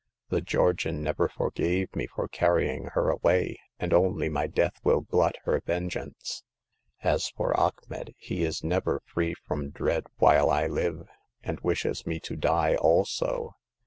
The Georgian never forgave me for carrying her away, and only my death will glut her vengeance. As for Achmet, he is never free from dread while I live, and wishes me to die also.